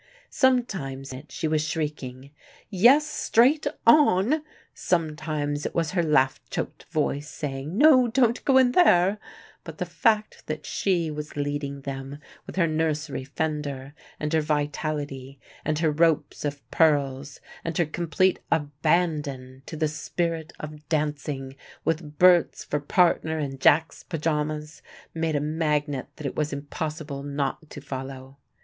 Sometimes it was she shrieking, "Yes, straight on," sometimes it was her laugh choked voice, saying "No, don't go in there," but the fact that she was leading them, with her nursery fender, and her vitality, and her ropes of pearls, and her complete abandon to the spirit of dancing, with Berts for partner in Jack's pajamas, made a magnet that it was impossible not to follow.